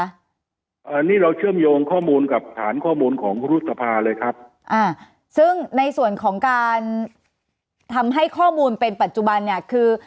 อันนี้เราเชื่อมโยงข้อมูลกับฐานข้อมูลของรุษภาเลยครับอ่าซึ่งในส่วนของการทำให้ข้อมูลเป็นปัจจุบันเนี่ยคือ